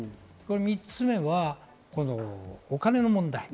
３つ目はお金の問題。